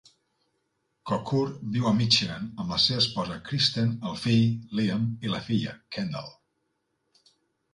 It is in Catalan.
Kocur viu a Michigan amb la seva esposa Kristen, el fill, Liam, i la filla, Kendall.